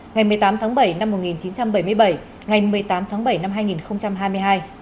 ngày một mươi tám tháng bảy năm một nghìn chín trăm bảy mươi bảy ngày một mươi tám tháng bảy năm hai nghìn hai mươi hai